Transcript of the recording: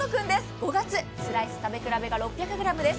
５月、スライス食べ比べが６００ｇです。